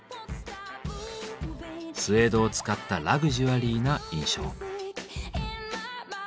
スエードを使ったラグジュアリーな印象。